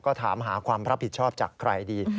ก็ถามหาความรับผิดชอบจากใครดี